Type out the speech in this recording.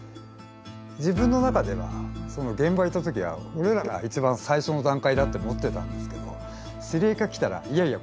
自分の中では現場いた時は俺らが一番最初の段階だって思ってたんですけど指令課来たらいやいや